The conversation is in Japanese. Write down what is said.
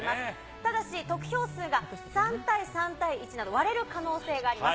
ただし、得票数が３対３対１など、割れる可能性があります。